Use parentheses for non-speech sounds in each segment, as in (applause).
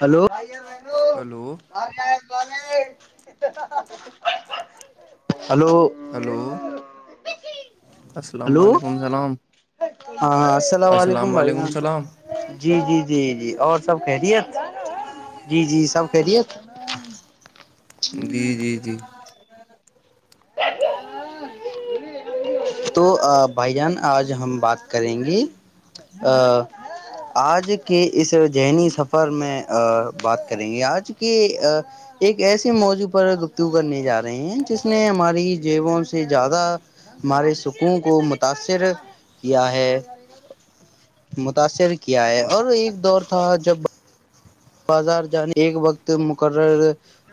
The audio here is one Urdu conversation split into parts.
ہلو ہلو ہلو ہلو (inaudible) السلام ہلو علیکم السلام ہاں السلام علیکم بھائی جی جی جی جی اور سب خیریت جی جی سب خیریت جی جی جی تو بھائی جان آج ہم بات کریں گے آج کے اس ذہنی سفر میں بات کریں گے آج کے ایک ایسے موضوع پر گفتو کرنے جا رہے ہیں جس نے ہماری جیبوں سے زیادہ ہمارے سکوں کو متاثر کیا ہے متاثر کیا ہے اور ایک دور تھا جب بازار جانے ایک وقت مقرر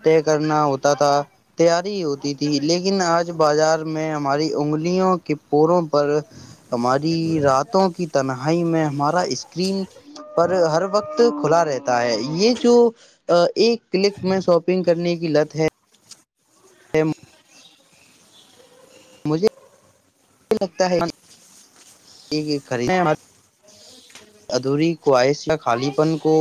طے کرنا ہوتا تھا تیاری ہوتی تھی لیکن آج بازار میں ہماری انگلیوں کے پوروں پر ہماری راتوں کی تنہائی میں ہمارا اسکرین پر ہر وقت کھلا رہتا یہ جو ایک کلک میں شاپنگ کرنے کی لت ہے مجھے لگتا ہے خری ادھوری خواہش خالی پن کو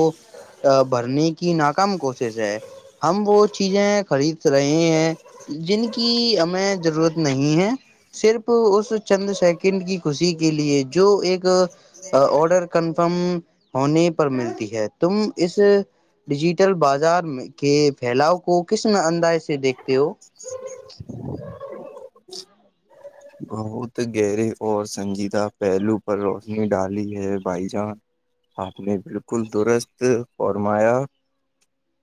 بھرنے کی ناکام کوشش ہے ہم وہ چیزیں خرید رہے ہیں جن کی ہمیں ضرورت نہیں ہے صرف اس چند سیکنڈ کی خوشی کے لیے جو ایک آڈر کنفرم ہونے پر ملتی ہے تم اس ڈیجیٹل بازار کے پھیلاؤ کو کس انداز سے دیکھتے ہو (inaudible) بہت گہرے اور سنجیدہ پہلو پر روشنی ڈالی ہے بائی جانس آپ نے بالکل درست فرمایا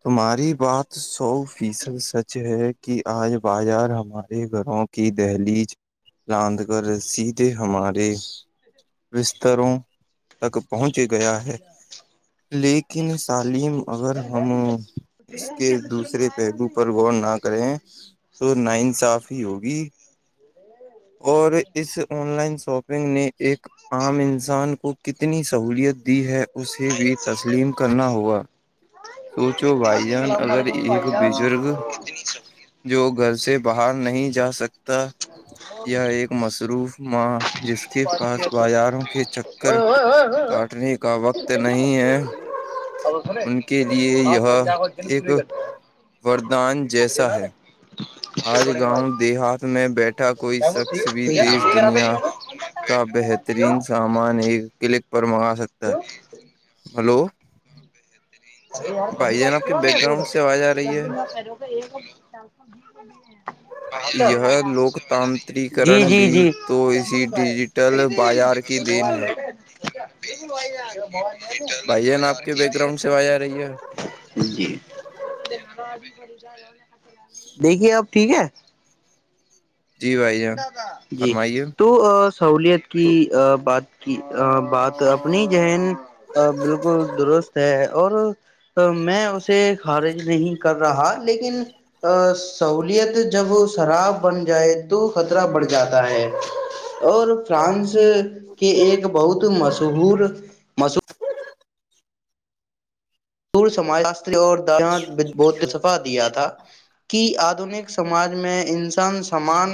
تمہاری بات سو فیصد سچ ہے کہ آج بازار ہمارے گھروں کہ دہلی راند کر سیدھے ہمارے بستروں تک پہنچ گیا ہے لیکن سعلیم مگر ہم اس کے دوسرے پہلو پر غور نہ کریں تو ن انصاف ہی ہوگی اور اس آن لائن شاپنگ نے ایک عام انسان کو کتنی سہولیت دی ہے اسے بھی تسلیم کرنا ہوگا سوچو بھائی جان السلام اگر علیکم ایک بھائی جان بزرگ جو گھر سے باہر نہیں جا سکتا یہ ایک مصروف ماہ جس کے پاس بازاروں کے چکر کاٹنے کا وقت نہیں ہے اب سنے ان کے لیے آج یہ سنجا کو دن ایک پوری کرتے ہو وردان جی جیسا ہے آج گاؤں دیہات میں بیٹھا کوئی شخص بھی دیش دنیا کا بہترین سامنے سامان ایک کلک پر منگا سکتا ہے ہلو ارے یار بھائی پڈتا جان آپ کے کیا (inaudible) بیک گراؤنڈ سے آواز آ رہی ہے یہ جی لوکتانتریکرن جی بھی جی تو اسی یہ ڈیجیٹل بازار کی دین ہے ج بائی ہوٹل بھائی جان آپ بازار کے کی بیک گراؤنڈ سے آواز آ رہی ہے ج د ابھی دیکھیے اب ٹھیک ہے جی بھائی جان جی فرمائیے تو سہولیت کی تو بات کی بات اپنی ذہن ا بالکل درست ہے اور میں اسے خارج نہیں کر رہا لیکن ا سہولیت جب شراب بن جائے تو خطرہ بڑھ جاتا ہے اور فرانس کی ایک بہت مشہور مشہور ور سمج شا اور د ب دیا تھا کہ آدنک سماج میں انسان سمان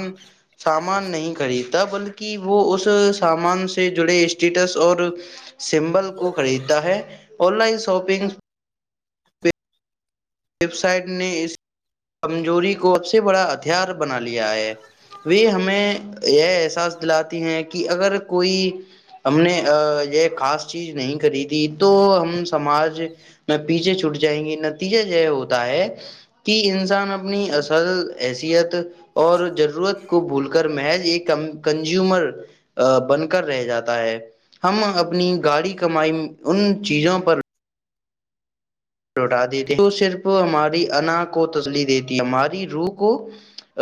سامان نہیں خریدتا بلکہ وہ اس سامان سے جڑے اسٹیٹس اور سمبل کو خریدتا ہے online shopping website نے اس کمزوری کو سب سے بڑا ہتھیار بنا لیا ہے وہ ہمیں یہ احساس دلاتی ہیں کہ اگر کوئی ہم نے یہ خاص چیز نہیں کری تھی تو ہم سماج نہ پیچھے چھوٹ جائیں گے نتیجے جو ہوتا ہے کہ انسان اپنی اصل حیثیت اور ضرورت کو بھول کر محض ایک کنزیومر بن کر رہ جاتا ہے ہم اپنی گاڑی کمائی ان چیزوں پر لوٹا دیتی تو صرف ہماری انا کو تسلی دیتی ہے ہماری روح کو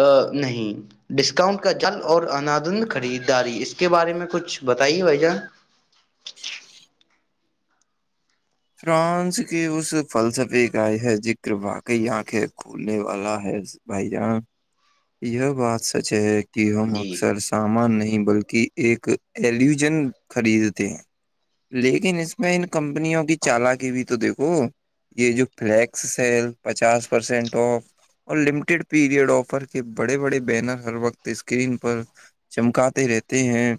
ا نہیں ڈسکاؤنٹ کا جل اور اندن خریداری اس کے بارے میں کچھ بتائیے بھ جان (unintelligible) فرانس کی اس فلسفی کاائے ہے ذکر واقی آنکھیں کھولنے والا ہے بھائی جان یہ بات سچ ہے کہ ہم جی اکثر سامان نہیں بلکہ ایک ایلیوژن خریدتے ہیں لیکن اس میں ان کمپنیوں کی چال کیی بھیئی تو دیکھو یہ جو فلیکس سیل پچاس پرسینٹ آف اور لمیٹیڈ پیریڈ آفر کے بڑے بڑے بینر ہر وقت اسکرین پر چمکاتے رہتے ہیں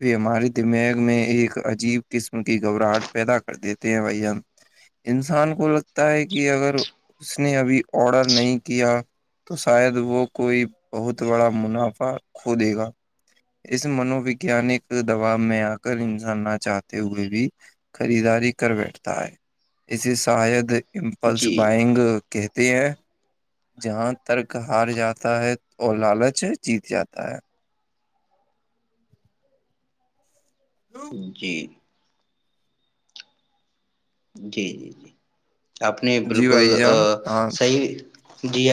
یہ ہمارے دماغ میں ایک عجیب قسم کی گھبراہٹ پیدا کر دیتے ہیں بھائی ہم انسان کو لگتا ہے کہ اگر اس نے ابھی آڈر نہیں کیا تو شاید وہ کوئی بہت بڑا منافع کھو دے گا اس منو ویگانک دبااب میں آ کر انسان نہ چاہتے ہوئے بھی خریداری کر بیٹھتا ہے اسے شاید امپلس جی بائنگ کہتے ہیں جہاں ترک ہار جاتا تا ہے اور لالچ جیت جاتا ہے جی جی جی جی آپ نے جی بالکل بھائی جان ہاں صیح جی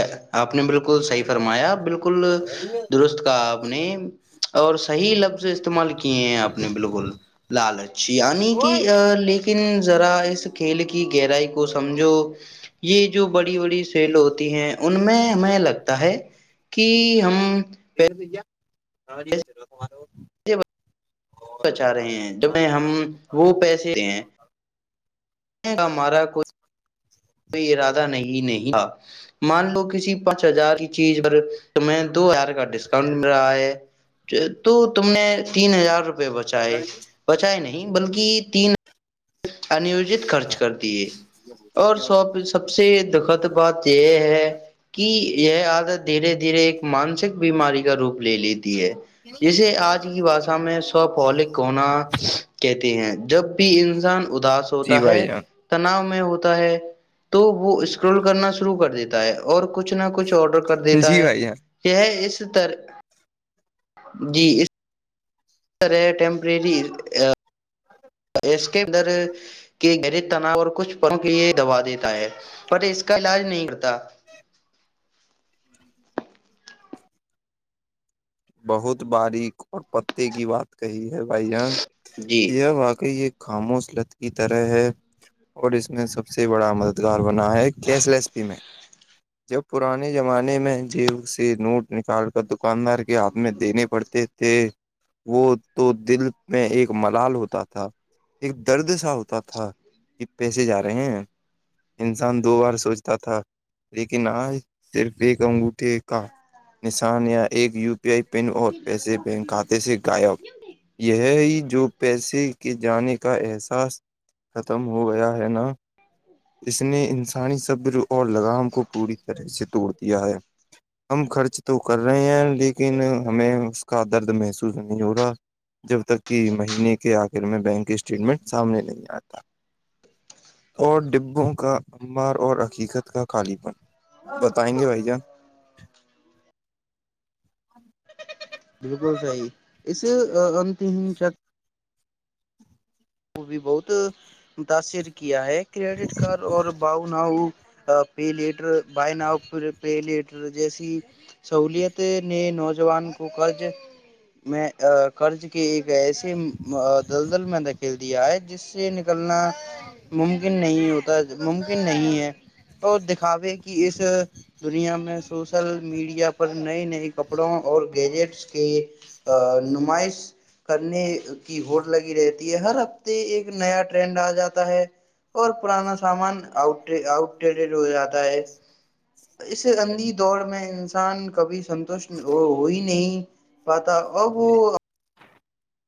آپ نے بالکل صحیح فرمایا بالکل درست کا آپ نے اور صحیح لفظ استعمال کیے ہیں آپ نے بالکل لالچچ آ کی ذرا اس کھیل کی گہرائی کو سمجھو یہ جو بڑی بڑی کھیل ہوتی ہیں ان میں ہمیں لگتا ہے کہ ہم ٹھیک ہے سھیا کورا ہمارے پیسے بچا رہے ہیں ج میں ہم وہ پیسے ہیں کا ہمارا کو کو ارادہ نہیں نہیں تھا مان لو کسی پانچ ہزار کی چیز پر تمہیں دو ہزار کا ڈسکاؤنٹ مل رہا ہے تو تم نے تین ہزار روپئے بچائےائے بچائے نہیں بلکہ تین انیوجت خرچ کر دیے اور سب سب سے دخد بات یہ ہے کہ یہ آج دھیرے دھیرے مانسک بیماری کا روپ لے لیتی ہے جسے آج کی باات میں سوپھولک کونا کہتے ہیں جب بھی انسان اداس جی ہوتا ہے بھائی جان تناؤ میں ہوتا ہے تو وہ اسکرول کرنا شروع کر دیتا ہے اور کچھ نہ کچھ آڈر کر دیتا جی ہے بھائی جان یہ اس طر جی اس ٹمپرری اس کے اندر کہ گر تناؤ اور کچھ پوں کے یہ دوا دیتا ہے پر اس کا علاج نہیں کرتا بہت باریک اور پتے کی بات کہی ہے بھائی جان جی یہ واقعی یہ خاموشلت کی طرح ہے اور اس میں سب سے بڑا مددگار بنا ہے کیش لیس پیمنٹ جب پرانے زمانے میں جی سے نوٹ نکال کر دکاندار کے ہاتھ میں دینے پڑتے تھے وہ تو دل میں ایک ملال ہوتا تھا ایک درد سا ہوتا تھا کہ پیسے جا رہے ہیں انسان دو بار سوچتا تھا لیکن آج صرف ایک انگوٹے کا نشان یا ایک یو پی آئی پن اور پیسے بینک کھاتے سے غائب یہ ہی جو پیسے کے جانے کا احساس ختم ہو گیا ہے نا اس نے انسانی صبر اور لگام کو پوری طرح سے توڑ دیا ہے ہم خرچ تو کر رہے ہیں لیکن ہمیں اس کا درد محسوس نہیں ہو رہا جب تک کہ مہینے کے آخر میں بینک اسٹیٹمنٹ سامنے نہیں آتا اور ڈبوں کا انمبار اور حقیقت کا خالی پن بتائیں گے بھائی جان بالکل صحیح اس (inaudible) کو بھی بہت متاثر کیا ہے کریڈٹ کارڈ اور buy now pay later buy now pay later جیسی سہولت نے نوجوان کو قرض میں قرض کی گئے ایسے دلدل میں دکھیل دیا ہے جس سے نکلنا ممکن نہیں ہوتا ممکن نہیں ہے تو دکھاوے کہ اس دنیا میں سوشل میڈیا پر نئے نئے کپڑوں اور گیجٹس کے نمائش کرنے کی ہو لگی رہتی یہ ہر ہفتے ایک نیا ٹرینڈ آ جاتا ہے اور پرانا سامان آٹ آؤٹ ریڈڈ ہو جاتا ہے اس اندھی دوڑ میں انسان کبھی سنتوشٹ ہوئی نہیں پاتا اب وہ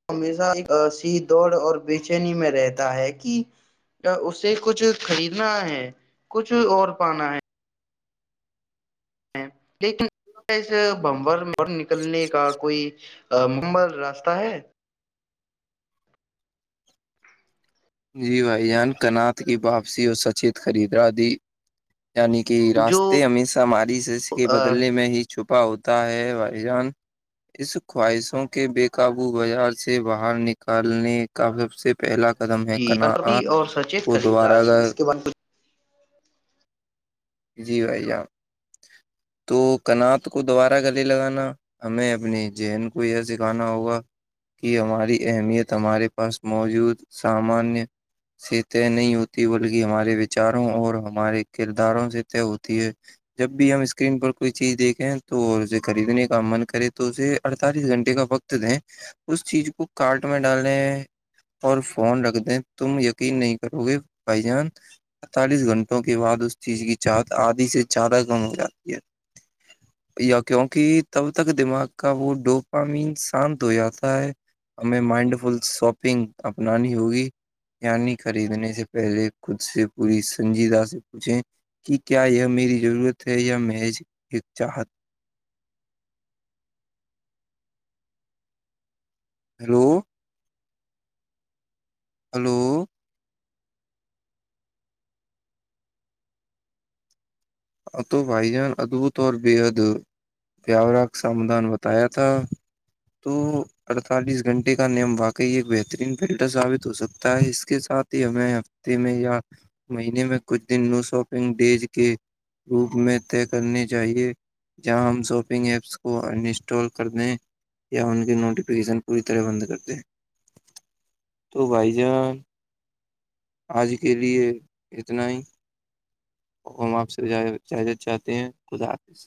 ہمیشہ ایک سی دوڑ اور بے چینی میں رہتا ہے کہ اسے کچھ خریدنا ہے کچھ اور پانا ہے لیکن (inaudible) نکلنے کا کوئی مبل راستہ ہے جی بھائی جان کنات کی واپسی اور سچت خریدا دی یعنی کہ جو راستے ہمیشہ ہماری بدلنے میں ہی چھپا ہوتا ہے بھائی جان اس خواہشوں کے بے قابو بازار سے باہر نکالنے کا سب سے پہلا قدم جی کنات اور کو سچیت دوبارہ خریداری اس کے بعد جی بھائ جان تو کنات کو دوبارہ گلے لگانا ہمیں اپنی زہن کو یہ سکھانا ہوگا کہ ہماری اہمیت ہمارے پاس موجود سامانیہ سے طے نہیں ہوتی بلکہ ہمارے وچاروں اور ہمارے کرداروں سے طے ہوتی ہے جب بھی ہم اسکرین پر کوئی چیز دیکھیں تو اسے خریدنے کا من کرے تو اسے اڑتالیس گھنٹے کا وقت تھا اس چیز کو کاٹ میں ڈالنے اور فون رکھ دیں تم یقین نہیں کرو گے بھائی جان اڑتالیس گھنٹوں کے بعد اس چیز کی چاہت آدھی سے زیادہ کم ہو جاتی ہے یا کیوںکہ تب تک دماغ کا وہ ڈوپ مین شانت ہو جاتا ہے ہمیں مائنڈ فل ساپنگ اپنانی ہوگی یعنی خریدنے سے پہلے خود سے پوری سنجیدہ سے پوچھے کہ کیا یہ میری ضرورت ہے یا میں ایک چاہت ہیلو ہیلو تو بھائی جان ادبھت اور بےحد پیاورا کا سمھان بتایا تھا تو اڑتالیس گھنٹے کا نیم واقعی ایک بہترین فلٹر ثابت ہو سکتا ہے اس کے ساتھ ہی ہمیں تے میں یا مہینے میں کچھ دن نیو شاپنگ ڈیز کے روپ میں طے کرنی چاہیے جہاں ہم شاپنگ ایپس کو ان انسٹال کر دیں یا ان کی نوٹیفکیشن پوری طرح بند کر دے تو بھائی جان آج کے لیے اتنا ہی ہم آپ سے اجازت چاہتے ہیں خدا حافظ